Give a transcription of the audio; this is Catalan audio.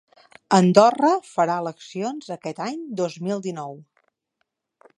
Andorra farà eleccions aquest any dos mil dinou.